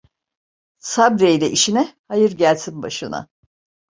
Sabreyle işine, hayır gelsin başına.